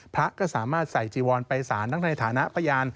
พระก็สามารถใส่จิวรไปศาลทั้งในฐานะประยาน